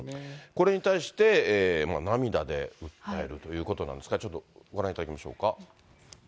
これに対して、涙で訴えるということなんですが、ちょっとご覧いただきましょうか。